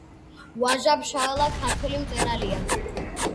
ვაჟა-ფშაველა ქართველი მწერალია